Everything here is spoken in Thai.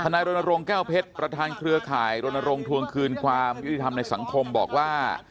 ฐโรนโรงแก้วเพชรประธานเครือข่ายโรนโรงทวงคืนความยุทธิธรรมในสังคมบอกว่า